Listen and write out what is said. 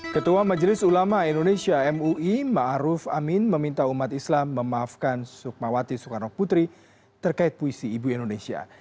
ketua majelis ulama indonesia mui ⁇ maruf ⁇ amin meminta umat islam memaafkan sukmawati soekarno putri terkait puisi ibu indonesia